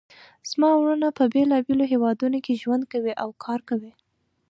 زما وروڼه په بیلابیلو هیوادونو کې ژوند کوي او کار کوي